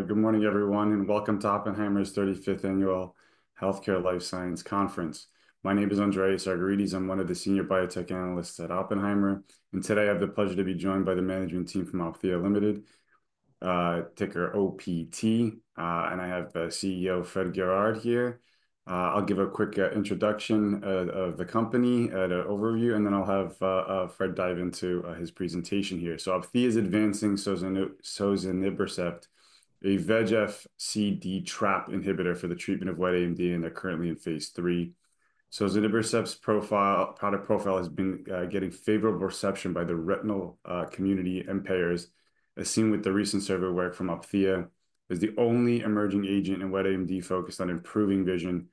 All right, good morning, everyone, and welcome to Oppenheimer's 35th Annual Healthcare Life Science Conference. My name is Andreas Argyrides. I'm one of the Senior Biotech Analysts at Oppenheimer, and today I have the pleasure to be joined by the management team from Opthea Limited, ticker OPT, and I have CEO Fred Guerard here. I'll give a quick introduction of the company overview, and then I'll have Fred dive into his presentation here. So Opthea is advancing Sozinibercept, a VEGF-C/D trap inhibitor for the treatment of wet AMD, and they're currently in Phase 3. Sozinibercept's product profile has been getting favorable reception by the retinal community and payers, as seen with the recent survey work from Opthea. It's the only emerging agent in wet AMD focused on improving vision,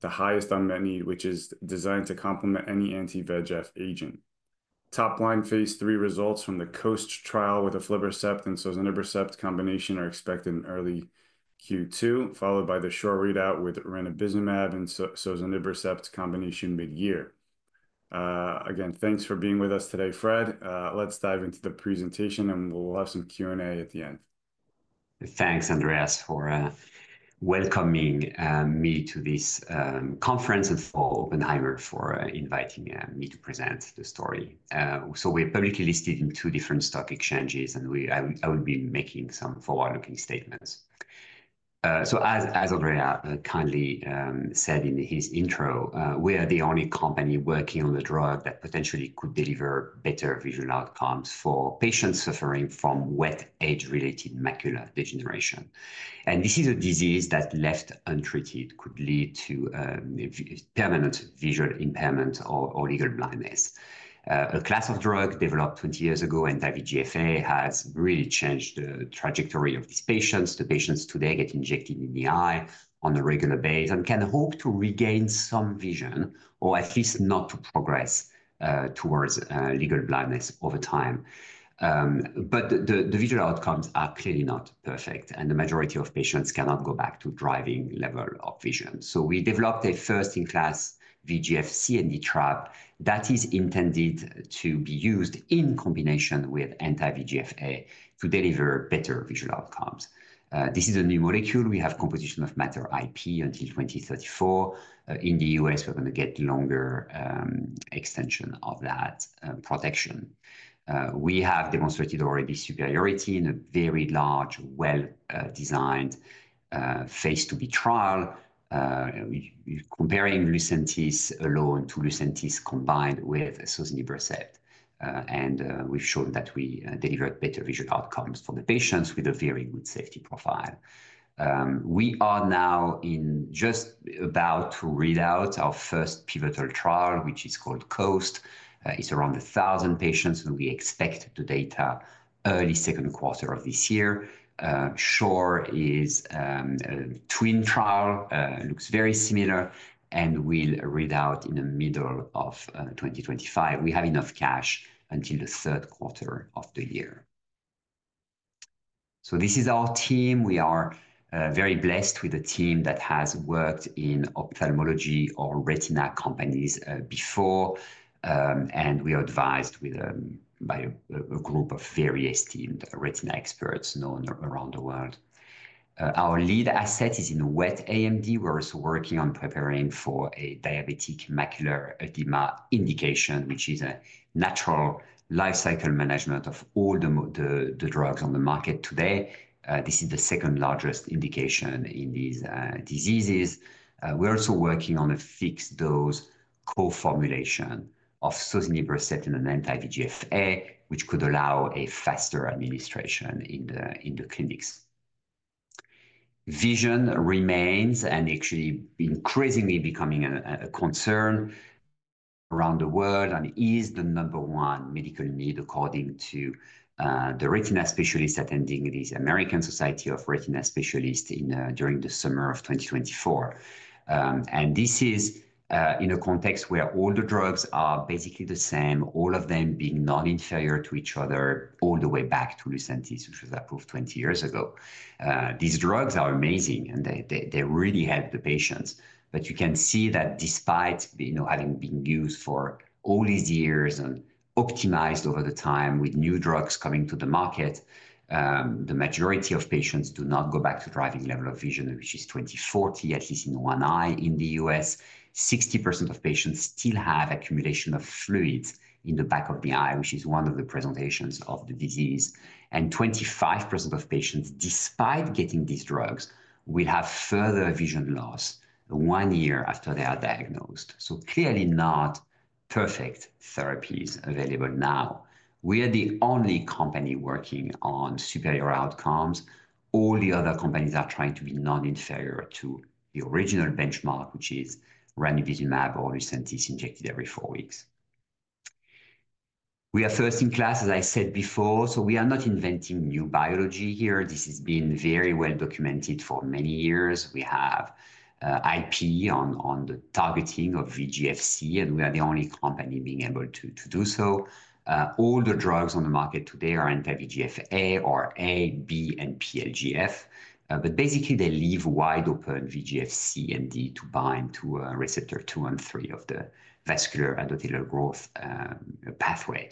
the highest unmet need, which is designed to complement any anti-VEGF agent. Top-line Phase 3 results from the COAST trial with aflibercept and Sozinibercept combination are expected in early Q2, followed by the ShORe readout with ranibizumab and Sozinibercept combination mid-year. Again, thanks for being with us today, Fred. Let's dive into the presentation, and we'll have some Q&A at the end. Thanks, Andreas, for welcoming me to this conference and for Oppenheimer for inviting me to present the story. So we're publicly listed in two different stock exchanges, and I will be making some forward-looking statements. So, as Andreas kindly said in his intro, we are the only company working on the drug that potentially could deliver better vision outcomes for patients suffering from wet age-related macular degeneration. And this is a disease that, left untreated, could lead to permanent visual impairment or legal blindness. A class of drug developed 20 years ago in anti-VEGF-A has really changed the trajectory of these patients. The patients today get injected in the eye on a regular basis and can hope to regain some vision, or at least not to progress towards legal blindness over time. The visual outcomes are clearly not perfect, and the majority of patients cannot go back to driving level of vision. We developed a first-in-class VEGF-C/D trap that is intended to be used in combination with anti-VEGF-A to deliver better visual outcomes. This is a new molecule. We have composition of matter IP until 2034. In the U.S., we're going to get longer extension of that protection. We have demonstrated already superiority in a very large, well-designed Phase 2b trial, comparing Lucentis alone to Lucentis combined with Sozinibercept. We've shown that we delivered better visual outcomes for the patients with a very good safety profile. We are now just about to read out our first pivotal trial, which is called COAST. It's around 1,000 patients, and we expect the data early second quarter of this year. ShORe is a twin trial, looks very similar, and we'll read out in the middle of 2025. We have enough cash until the third quarter of the year. So this is our team. We are very blessed with a team that has worked in ophthalmology or retina companies before, and we are advised by a group of various teams, retina experts known around the world. Our lead asset is in wet AMD. We're also working on preparing for a diabetic macular edema indication, which is a natural lifecycle management of all the drugs on the market today. This is the second largest indication in these diseases. We're also working on a fixed-dose co-formulation of Sozinibercept and anti-VEGF-A, which could allow a faster administration in the clinics. Vision remains and actually increasingly becoming a concern around the world and is the number one medical need according to the retina specialists attending this American Society of Retina Specialists during the summer of 2024, and this is in a context where all the drugs are basically the same, all of them being non-inferior to each other all the way back to Lucentis, which was approved 20 years ago. These drugs are amazing, and they really help the patients, but you can see that despite having been used for all these years and optimized over the time with new drugs coming to the market, the majority of patients do not go back to driving level of vision, which is 20/40, at least in one eye in the US. 60% of patients still have accumulation of fluid in the back of the eye, which is one of the presentations of the disease, and 25% of patients, despite getting these drugs, will have further vision loss one year after they are diagnosed, so clearly not perfect therapies available now. We are the only company working on superior outcomes. All the other companies are trying to be non-inferior to the original benchmark, which is ranibizumab or Lucentis injected every four weeks. We are first in class, as I said before, so we are not inventing new biology here. This has been very well documented for many years. We have IP on the targeting of VEGF-C, and we are the only company being able to do so. All the drugs on the market today are anti-VEGF-A or A, B, and PLGF, but basically they leave wide open VEGF-C and D to bind to receptor two and three of the vascular endothelial growth pathway,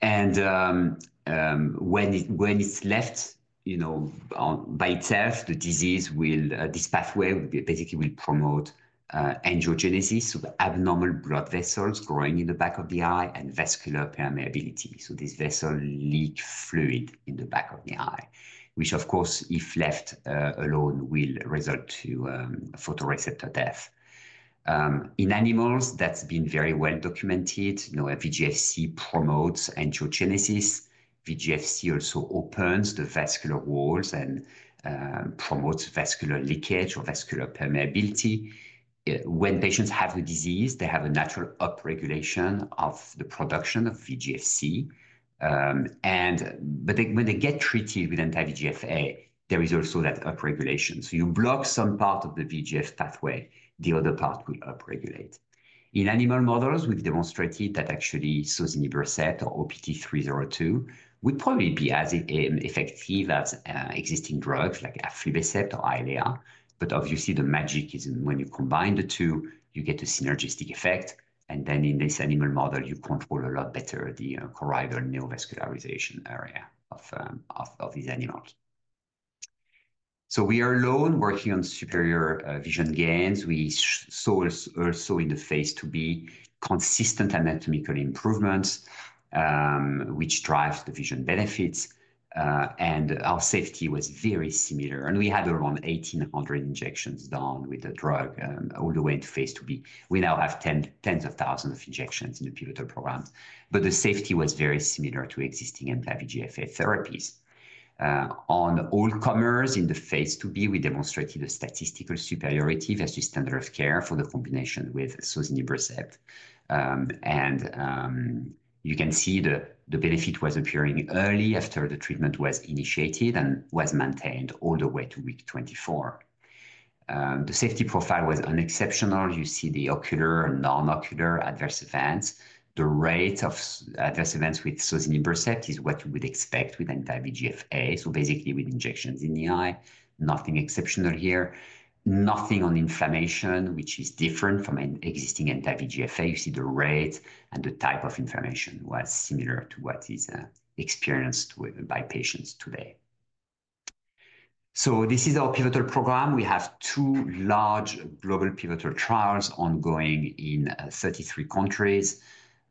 and when it's left by itself, this pathway basically will promote angiogenesis, so abnormal blood vessels growing in the back of the eye and vascular permeability, so these vessels leak fluid in the back of the eye, which, of course, if left alone, will result in photoreceptor death. In animals, that's been very well documented. VEGF-C promotes angiogenesis. VEGF-C also opens the vascular walls and promotes vascular leakage or vascular permeability. When patients have the disease, they have a natural upregulation of the production of VEGF-C, but when they get treated with anti-VEGF-A, there is also that upregulation, so you block some part of the VEGF pathway, the other part will upregulate. In animal models, we've demonstrated that actually Sozinibercept or OPT-302 would probably be as effective as existing drugs like aflibercept or Eylea. But obviously, the magic is when you combine the two, you get a synergistic effect. And then in this animal model, you control a lot better the choroidal neovascularization area of these animals. So we are alone working on superior vision gains. We saw also in the Phase 2b consistent anatomical improvements, which drives the vision benefits. And our safety was very similar. And we had around 1,800 injections done with the drug all the way into Phase 2b. We now have tens of thousands of injections in the pivotal programs. But the safety was very similar to existing anti-VEGF-A therapies. On all comers in the Phase 2b, we demonstrated a statistical superiority versus standard of care for the combination with Sozinibercept. You can see the benefit was appearing early after the treatment was initiated and was maintained all the way to week 24. The safety profile was unexceptional. You see the ocular and non-ocular adverse events. The rate of adverse events with Sozinibercept is what you would expect with anti-VEGF-A. Basically, with injections in the eye, nothing exceptional here. Nothing on inflammation, which is different from existing anti-VEGF-A. You see the rate and the type of inflammation was similar to what is experienced by patients today. This is our pivotal program. We have two large global pivotal trials ongoing in 33 countries.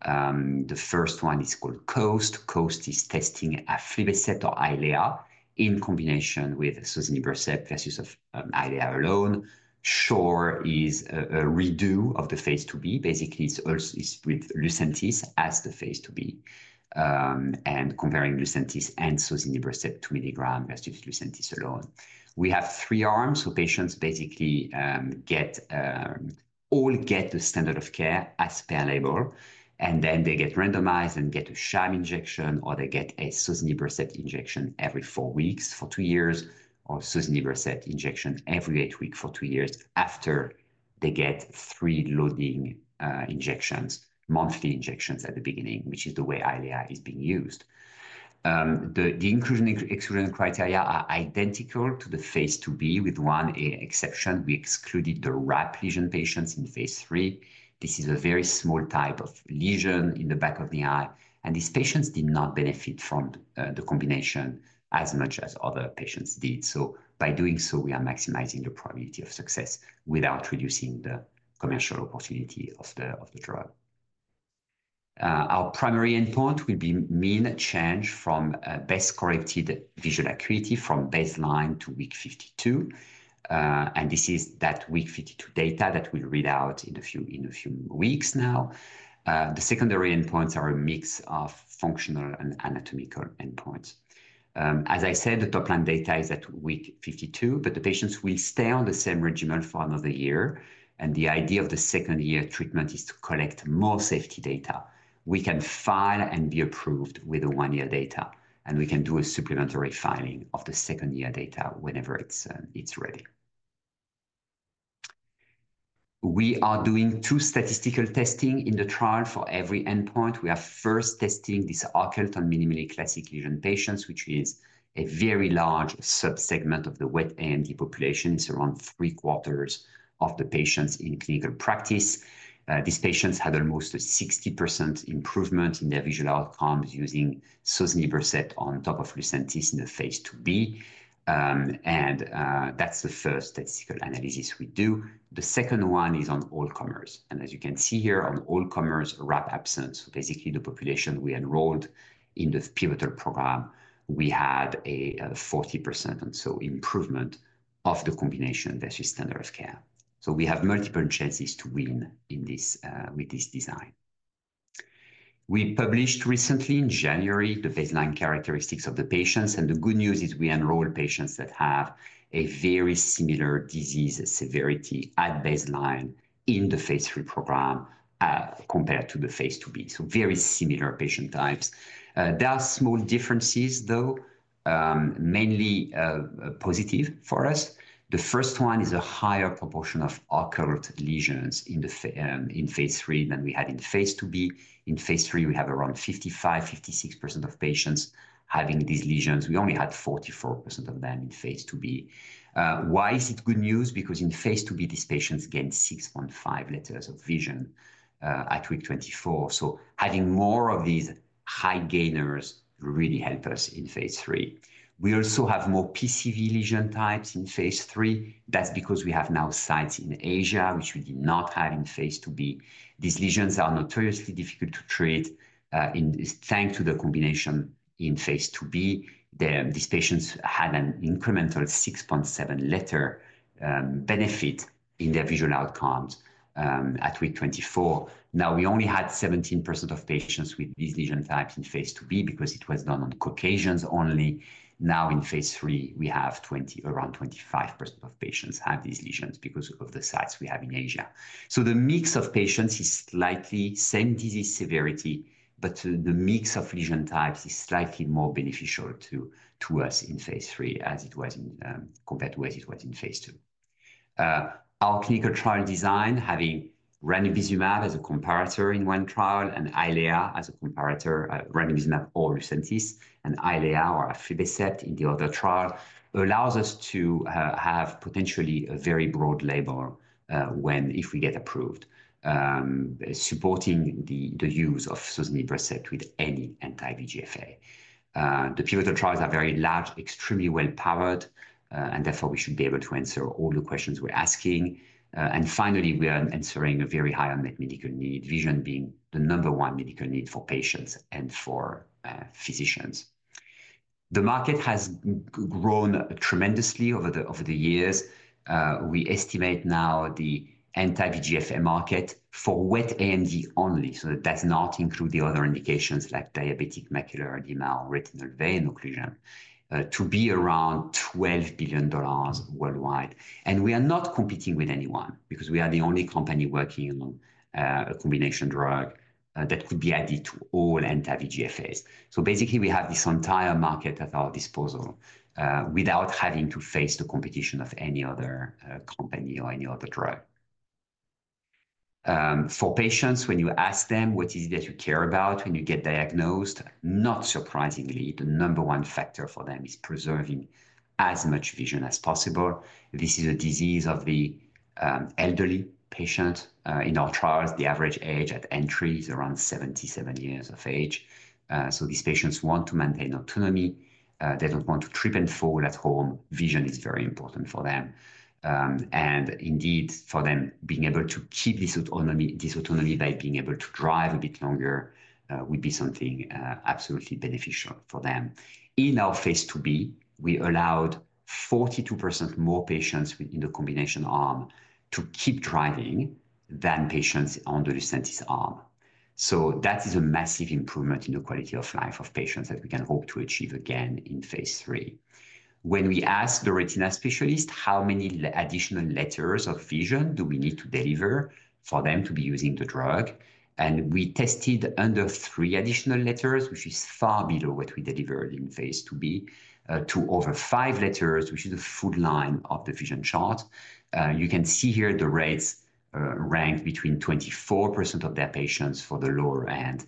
The first one is called COAST. COAST is testing aflibercept or Eylea in combination with Sozinibercept versus Eylea alone. ShORe is a redo of the Phase 2b. Basically, it's with Lucentis as the Phase 2b and comparing Lucentis and Sozinibercept 2 MG versus Lucentis alone. We have three arms. So patients basically all get the standard of care as per label, and then they get randomized and get a sham injection, or they get a Sozinibercept injection every four weeks for two years, or Sozinibercept injection every eight weeks for two years after they get three loading injections, monthly injections at the beginning, which is the way Eylea is being used. The inclusion and exclusion criteria are identical to the Phase 2b, with one exception. We excluded the RAP lesion patients in Phase 3. This is a very small type of lesion in the back of the eye, and these patients did not benefit from the combination as much as other patients did. So by doing so, we are maximizing the probability of success without reducing the commercial opportunity of the drug. Our primary endpoint will be mean change from Best Corrected Visual Acuity from baseline to week 52. And this is that week 52 data that we'll read out in a few weeks now. The secondary endpoints are a mix of functional and anatomical endpoints. As I said, the top line data is at week 52, but the patients will stay on the same regimen for another year. And the idea of the second year treatment is to collect more safety data. We can file and be approved with the one-year data, and we can do a supplementary filing of the second-year data whenever it's ready. We are doing two statistical testing in the trial for every endpoint. We are first testing these occult and minimally classic lesion patients, which is a very large subsegment of the wet AMD population. It's around three quarters of the patients in clinical practice. These patients had almost a 60% improvement in their visual outcomes using Sozinibercept on top of Lucentis in the Phase 2b. And that's the first statistical analysis we do. The second one is on all-comers. And as you can see here on all-comers, RAP absence. So basically, the population we enrolled in the pivotal program, we had a 40% or so improvement of the combination versus standard of care. So we have multiple chances to win with this design. We published recently in January the baseline characteristics of the patients. The good news is we enroll patients that have a very similar disease severity at baseline in the Phase 3 program compared to the Phase 2b. Very similar patient types. There are small differences, though, mainly positive for us. The first one is a higher proportion of occult lesions in Phase 3 than we had in Phase 2b. In Phase 3, we have around 55%-56% of patients having these lesions. We only had 44% of them in Phase 2b. Why is it good news? Because in Phase 2b, these patients gained 6.5 letters of vision at week 24. Having more of these high gainers really helped us in Phase 3. We also have more PCV lesion types in Phase 3. That's because we now have sites in Asia, which we did not have in Phase 2b. These lesions are notoriously difficult to treat thanks to the combination in Phase 2b. These patients had an incremental 6.7 letter benefit in their visual outcomes at week 24. Now, we only had 17% of patients with these lesion types in Phase 2b because it was done on Caucasians only. Now in Phase 3, we have around 25% of patients have these lesions because of the sites we have in Asia. So the mix of patients is slightly the same disease severity, but the mix of lesion types is slightly more beneficial to us in Phase 3 as it was compared to as it was in Phase 2b. Our clinical trial design, having ranibizumab as a comparator in one trial and Eylea as a comparator, ranibizumab or Lucentis and Eylea or aflibercept in the other trial, allows us to have potentially a very broad label if we get approved, supporting the use of Sozinibercept with any anti-VEGF-A. The pivotal trials are very large, extremely well-powered, and therefore we should be able to answer all the questions we're asking. And finally, we are answering a very high unmet medical need, vision being the number one medical need for patients and for physicians. The market has grown tremendously over the years. We estimate now the anti-VEGF-A market for wet AMD only, so that does not include the other indications like diabetic macular edema, retinal vein occlusion, to be around $12 billion worldwide. We are not competing with anyone because we are the only company working on a combination drug that could be added to all anti-VEGF-As. Basically, we have this entire market at our disposal without having to face the competition of any other company or any other drug. For patients, when you ask them what is it that you care about when you get diagnosed, not surprisingly, the number one factor for them is preserving as much vision as possible. This is a disease of the elderly patient. In our trials, the average age at entry is around 77 years of age. These patients want to maintain autonomy. They don't want to trip and fall at home. Vision is very important for them. And indeed, for them being able to keep this autonomy by being able to drive a bit longer would be something absolutely beneficial for them. In our Phase 2b, we allowed 42% more patients in the combination arm to keep driving than patients on the Lucentis arm, so that is a massive improvement in the quality of life of patients that we can hope to achieve again in Phase 3. When we asked the retina specialist how many additional letters of vision do we need to deliver for them to be using the drug, and we tested under three additional letters, which is far below what we delivered in Phase 2b, to over five letters, which is the full line of the vision chart. You can see here the rates ranged between 24% of their patients for the lower end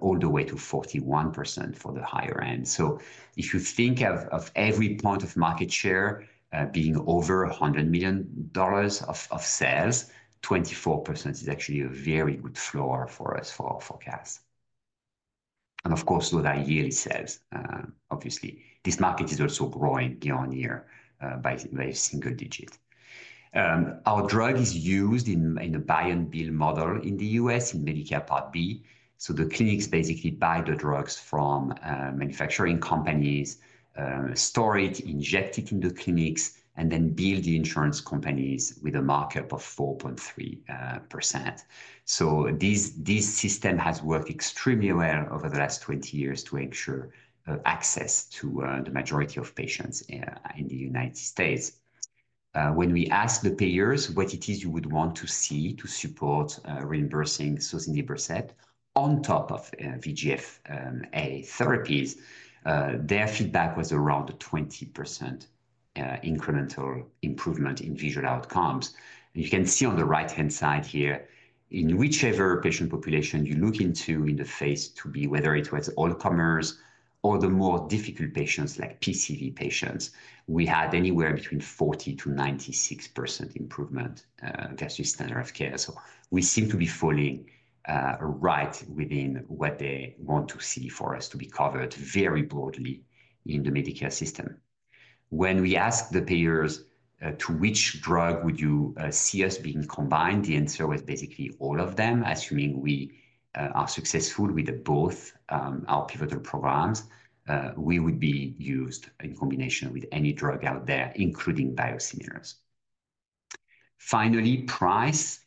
all the way to 41% for the higher end. So if you think of every point of market share being over $100 million of sales, 24% is actually a very good floor for us for our forecast. And of course, those are yearly sales. Obviously, this market is also growing year on year by a single digit. Our drug is used in a buy-and-bill model in the U.S. in Medicare Part B. So the clinics basically buy the drugs from manufacturing companies, store it, inject it in the clinics, and then bill the insurance companies with a markup of 4.3%. So this system has worked extremely well over the last 20 years to ensure access to the majority of patients in the United States. When we asked the payers what it is you would want to see to support reimbursing Sozinibercept on top of VEGF-A therapies, their feedback was around a 20% incremental improvement in visual outcomes. You can see on the right-hand side here, in whichever patient population you look into in the Phase 2b, whether it was all-comers or the more difficult patients like PCV patients, we had anywhere between 40%-96% improvement versus standard of care. We seem to be falling right within what they want to see for us to be covered very broadly in the Medicare system. When we asked the payers to which drug would you see us being combined, the answer was basically all of them. Assuming we are successful with both our pivotal programs, we would be used in combination with any drug out there, including biosimilars. Finally, price.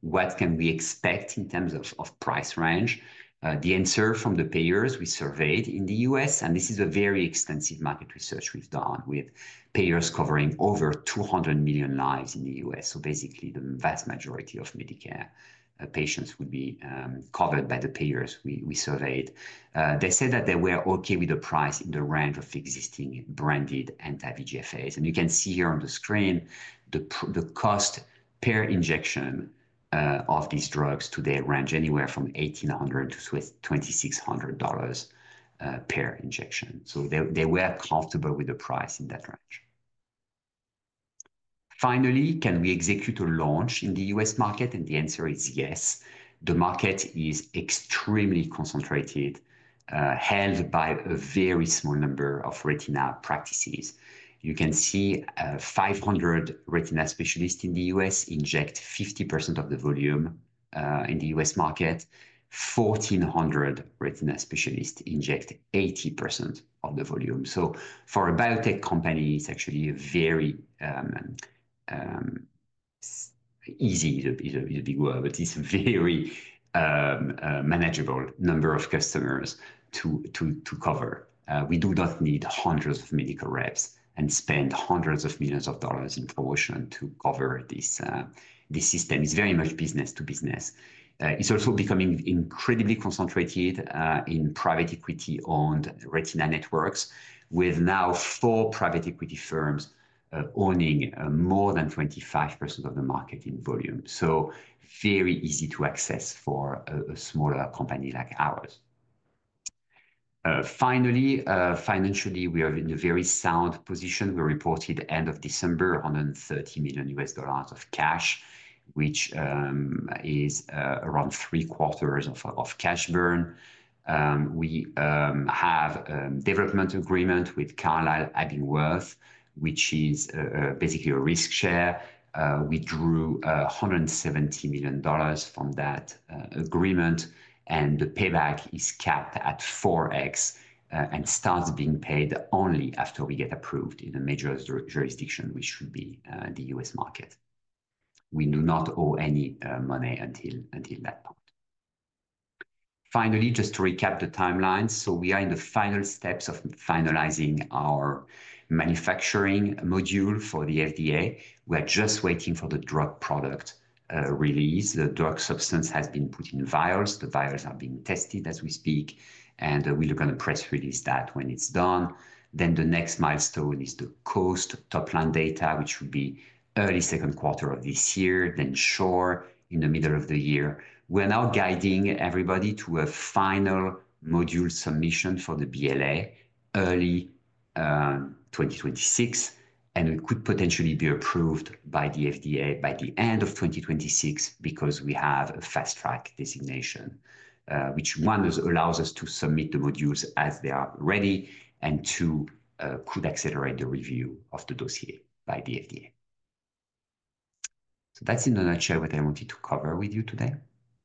What can we expect in terms of price range? The answer from the payers we surveyed in the U.S., and this is a very extensive market research we've done with payers covering over 200 million lives in the U.S. So basically, the vast majority of Medicare patients would be covered by the payers we surveyed. They said that they were okay with the price in the range of existing branded anti-VEGF-As. And you can see here on the screen, the cost per injection of these drugs today ranged anywhere from $1,800-$2,600 per injection. So they were comfortable with the price in that range. Finally, can we execute a launch in the U.S. market? And the answer is yes. The market is extremely concentrated, held by a very small number of retina practices. You can see 500 retina specialists in the U.S. inject 50% of the volume in the U.S. market. 1,400 retina specialists inject 80% of the volume. For a biotech company, it's actually a very easy, it's a big word, but it's a very manageable number of customers to cover. We do not need hundreds of medical reps and spend hundreds of millions of dollars in promotion to cover this system. It's very much business to business. It's also becoming incredibly concentrated in private equity-owned retina networks, with now four private equity firms owning more than 25% of the market in volume. Very easy to access for a smaller company like ours. Finally, financially, we are in a very sound position. We reported at the end of December $130 million of cash, which is around three quarters of cash burn. We have a development agreement with Carlyle and Abingworth, which is basically a risk share. We drew $170 million from that agreement, and the payback is capped at 4x and starts being paid only after we get approved in a major jurisdiction, which would be the U.S. market. We do not owe any money until that point. Finally, just to recap the timelines, so we are in the final steps of finalizing our manufacturing module for the FDA. We are just waiting for the drug product release. The drug substance has been put in vials. The vials are being tested as we speak, and we're going to press release that when it's done. Then the next milestone is the COAST top line data, which would be early second quarter of this year, then ShORe in the middle of the year. We are now guiding everybody to a final module submission for the BLA early 2026, and it could potentially be approved by the FDA by the end of 2026 because we have a Fast Track designation, which one allows us to submit the modules as they are ready and could accelerate the review of the dossier by the FDA. So that's in a nutshell what I wanted to cover with you today.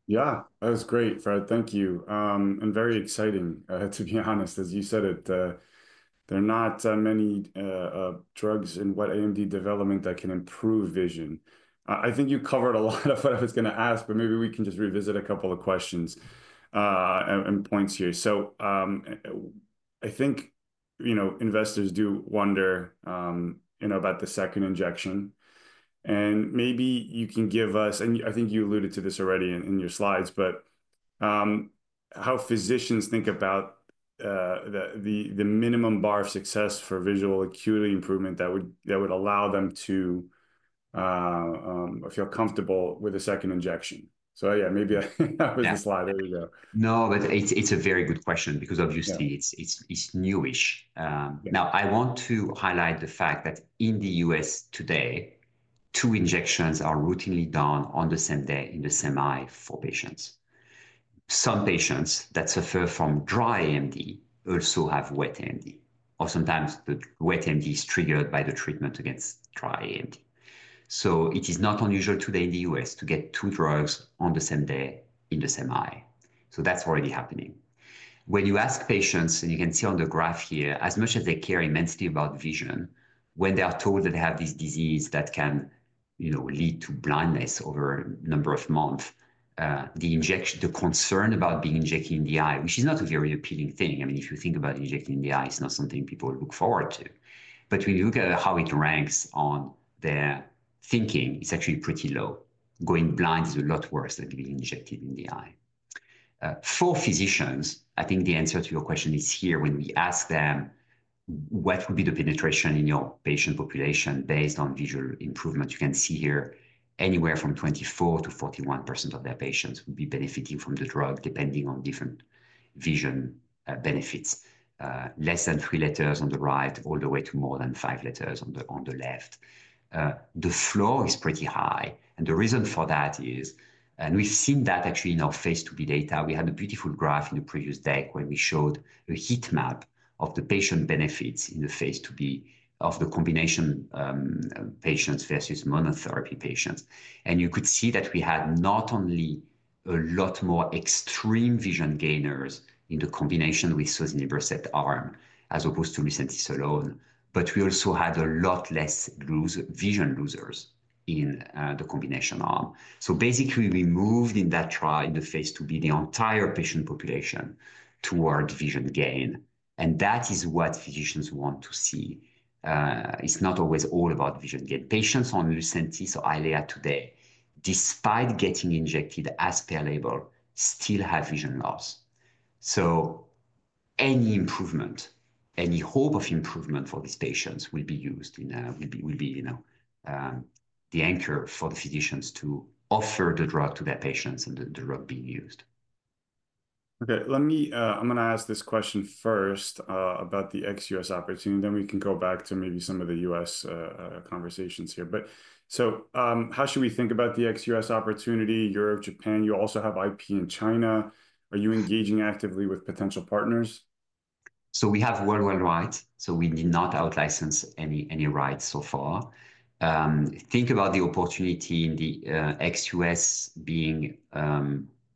Yeah, that was great, Fred. Thank you. And very exciting, to be honest. As you said it, there are not many drugs in wet AMD development that can improve vision. I think you covered a lot of what I was going to ask, but maybe we can just revisit a couple of questions and points here. So I think investors do wonder about the second injection. And maybe you can give us, and I think you alluded to this already in your slides, but how physicians think about the minimum bar of success for visual acuity improvement that would allow them to feel comfortable with a second injection. So yeah, maybe that was the slide. There we go. No, but it's a very good question because obviously it's newish. Now, I want to highlight the fact that in the U.S. today, two injections are routinely done on the same day in the same eye for patients. Some patients that suffer from dry AMD also have wet AMD. Or sometimes the wet AMD is triggered by the treatment against dry AMD. So it is not unusual today in the U.S. to get two drugs on the same day in the same eye. So that's already happening. When you ask patients, and you can see on the graph here, as much as they care immensely about vision, when they are told that they have this disease that can lead to blindness over a number of months, the concern about being injected in the eye, which is not a very appealing thing. I mean, if you think about injecting in the eye, it's not something people look forward to. But when you look at how it ranks on their thinking, it's actually pretty low. Going blind is a lot worse than being injected in the eye. For physicians, I think the answer to your question is here when we ask them what would be the penetration in your patient population based on visual improvement. You can see here anywhere from 24%-41% of their patients would be benefiting from the drug depending on different vision benefits. Less than three letters on the right, all the way to more than five letters on the left. The floor is pretty high, and the reason for that is, and we've seen that actually in our Phase 2b data. We had a beautiful graph in the previous deck where we showed a heat map of the patient benefits in the Phase 2b of the combination patients versus monotherapy patients, and you could see that we had not only a lot more extreme vision gainers in the combination with Sozinibercept arm as opposed to Lucentis alone, but we also had a lot less vision losers in the combination arm, so basically, we moved in that trial in the Phase 2b the entire patient population toward vision gain, and that is what physicians want to see. It's not always all about vision gain. Patients on Lucentis or Eylea today, despite getting injected as per label, still have vision loss, so any improvement, any hope of improvement for these patients will be used and will be the anchor for the physicians to offer the drug to their patients and the drug being used. Okay. I'm going to ask this question first about the ex-U.S. opportunity, then we can go back to maybe some of the U.S. conversations here, so how should we think about the ex-U.S. opportunity, Europe, Japan, you also have IP in China. Are you engaging actively with potential partners? So we have worldwide rights. So we did not out-license any rights so far. Think about the opportunity in the ex-U.S. being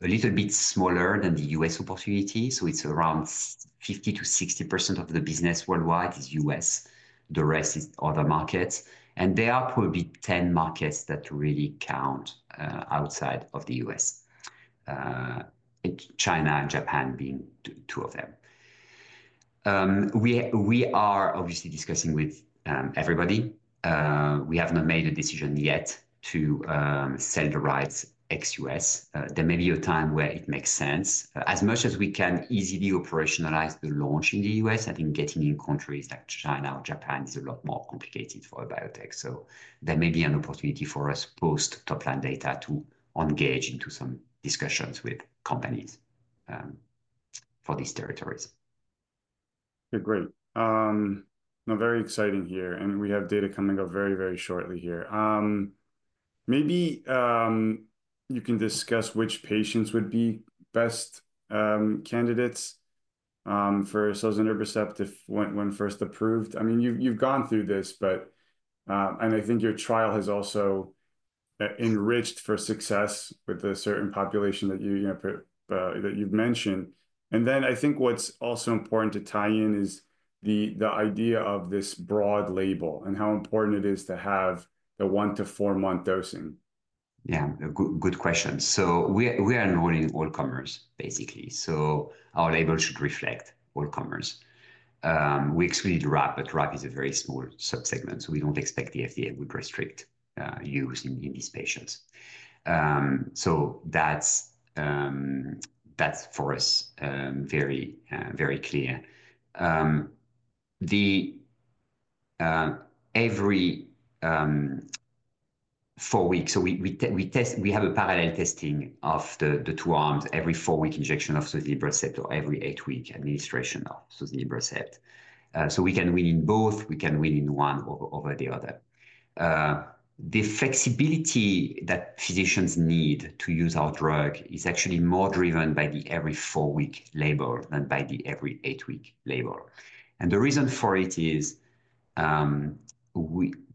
a little bit smaller than the U.S. opportunity, so it's around 50%-60% of the business worldwide is U.S. The rest is other markets. And there are probably 10 markets that really count outside of the U.S. China and Japan being two of them. We are obviously discussing with everybody. We have not made a decision yet to sell the rights ex-U.S. There may be a time where it makes sense. As much as we can easily operationalize the launch in the U.S., I think getting in countries like China or Japan is a lot more complicated for a biotech. So there may be an opportunity for us post-top line data to engage into some discussions with companies for these territories. Okay, great. Very exciting here. And we have data coming up very, very shortly here. Maybe you can discuss which patients would be best candidates for Sozinibercept when first approved. I mean, you've gone through this, but I think your trial has also enriched for success with a certain population that you've mentioned. And then I think what's also important to tie in is the idea of this broad label and how important it is to have the one to four-month dosing. Yeah, good question. So we are enrolling all comers, basically. So our label should reflect all comers. We excluded RAP, but RAP is a very small subsegment. So we don't expect the FDA would restrict use in these patients. So that's for us very clear. Every four weeks, we have a parallel testing of the two arms, every four-week injection of Sozinibercept or every eight-week administration of Sozinibercept. So we can win in both. We can win in one over the other. The flexibility that physicians need to use our drug is actually more driven by the every four-week label than by the every eight-week label. And the reason for it is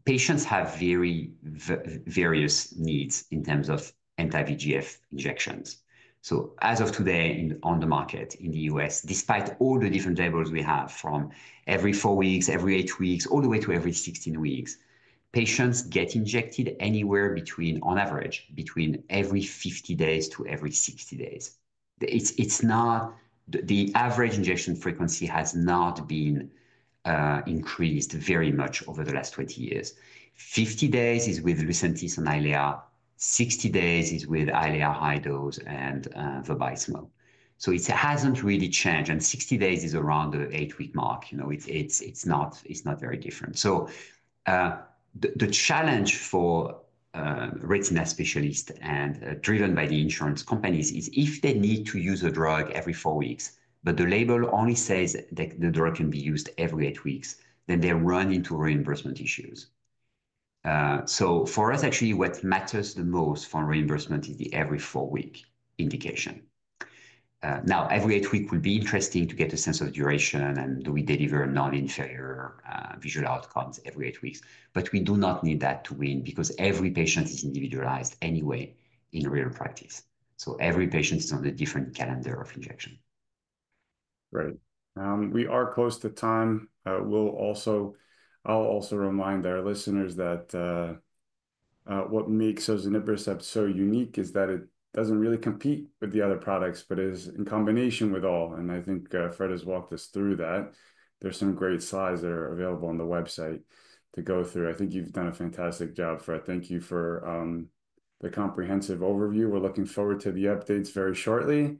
patients have very various needs in terms of anti-VEGF injections. So as of today on the market in the U.S., despite all the different labels we have from every four weeks, every eight weeks, all the way to every 16 weeks, patients get injected anywhere, on average, between every 50 days to every 60 days. The average injection frequency has not been increased very much over the last 20 years. 50 days is with Lucentis and Eylea. 60 days is with Eylea high dose and Vabysmo. So it hasn't really changed, and 60 days is around the eight-week mark. It's not very different. So the challenge for retina specialists and driven by the insurance companies is if they need to use a drug every four weeks, but the label only says that the drug can be used every eight weeks, then they run into reimbursement issues. So for us, actually, what matters the most for reimbursement is the every four-week indication. Now, every eight weeks would be interesting to get a sense of duration and do we deliver non-inferior visual outcomes every eight weeks, but we do not need that to win because every patient is individualized anyway in real practice. So every patient is on a different calendar of injection. Right. We are close to time. I'll also remind our listeners that what makes Sozinibercept so unique is that it doesn't really compete with the other products, but is in combination with all. And I think Fred has walked us through that. There's some great slides that are available on the website to go through. I think you've done a fantastic job, Fred. Thank you for the comprehensive overview. We're looking forward to the updates very shortly,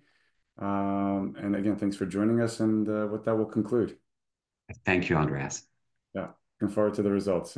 and again, thanks for joining us, and with that, we'll conclude. Thank you, Andreas. Yeah, looking forward to the results.